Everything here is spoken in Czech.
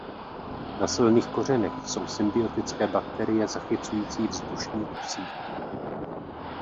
Na silných kořenech jsou symbiotické bakterie zachycující vzdušný dusík.